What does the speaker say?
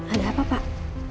ada apa pak